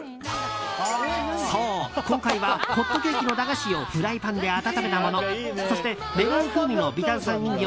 そう、今回はホットケーキの駄菓子をフライパンで温めたものそして、メロン風味の微炭酸飲料